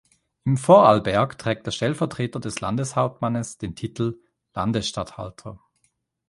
In Vorarlberg trägt der Stellvertreter des Landeshauptmannes den Titel "Landesstatthalter".